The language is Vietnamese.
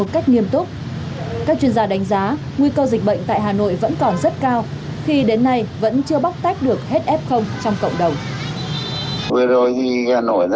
các chuyên gia đánh giá nguy cơ dịch bệnh tại hà nội vẫn còn rất cao khi đến nay vẫn chưa bóc tách được hết f trong cộng đồng